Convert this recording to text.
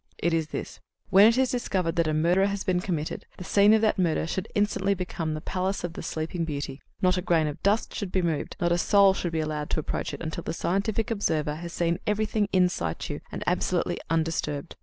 "It is this. When it is discovered that a murder has been committed, the scene of that murder should instantly become as the Palace of the Sleeping Beauty. Not a grain of dust should be moved, not a soul should be allowed to approach it, until the scientific observer has seen everything in situ and absolutely undisturbed.